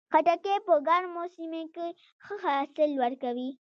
خټکی په ګرمو سیمو کې ښه حاصل ورکوي.